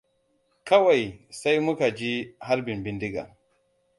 Kawai sai muka ji harbin bindiga.